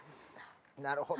なるほど！